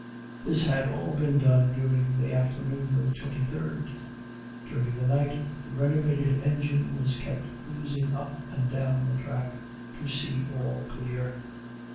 This had all been done during the afternoon of the 23d. During the night, the renovated engine was kept cruising up and down the track to see all clear.